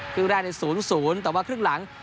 ครึ่งแรกใน๐๐แต่ว่าครึ่งหลัง